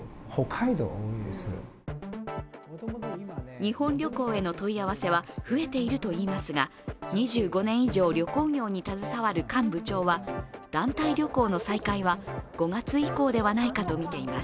日本旅行への問い合わせは増えているといいますが、２５年以上、旅行業に携わる韓部長は団体旅行の再開は５月以降ではないかとみています。